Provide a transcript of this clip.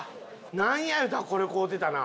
なんや言うたらこれ買うてたな。